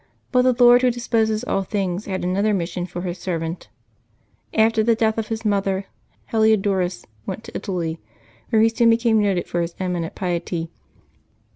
But the Lord, Who disposes all things, had another mission for His ser vant After the death of his mother, Heliodorus went to Italy, where he soon became noted for his eminent piety.